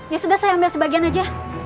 ya sudah saya ambil sebagian aja